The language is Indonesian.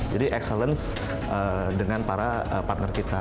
jadi excellence dengan para partner kita